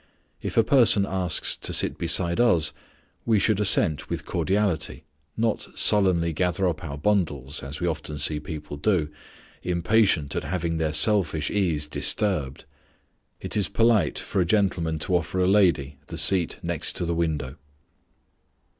If a person asks to sit beside us, we should assent with cordiality, not sullenly gather up our bundles, as we often see people do, impatient at having their selfish ease disturbed. It is polite for a gentleman to offer a lady the seat next the window.